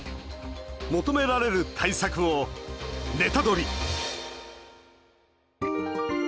求められる対策をネタドリ！